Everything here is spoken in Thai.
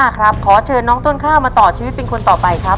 ภาษาไทยป๕ค่ะขอเชิญน้องต้นข้าวมาต่อชีวิตเป็นคนต่อไปครับ